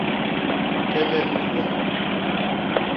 Kelel liwo.